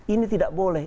ini tidak boleh